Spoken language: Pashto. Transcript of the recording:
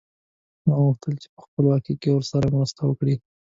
هغه غوښتل په خپلواکۍ کې ورسره مرسته وکړي.